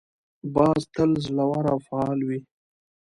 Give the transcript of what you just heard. باز تل زړور او فعال وي